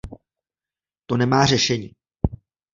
To nemá řešení.